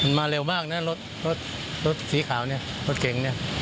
มาเร็วมากนะรถรถสีขาวเนี่ยรถเก่งเนี่ย